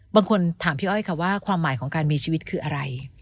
บางคนถามพี่อ้อยค่ะว่าความหมายของการมีชีวิตคืออะไร